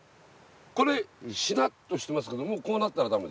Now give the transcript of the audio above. これしなっとしてますけどもうこうなったら駄目ですか？